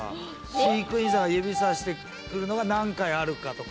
飼育員さんが指さしてくるのが何回あるかとか。